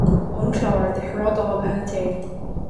An Clár de Thrádálaithe Tae.